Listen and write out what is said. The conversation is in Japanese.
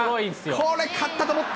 これ、勝ったと思った。